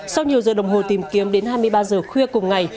sau nhiều giờ đồng hồ tìm kiếm đến hai mươi ba giờ khuya cùng ngày